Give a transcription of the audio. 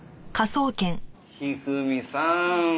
一二三さん。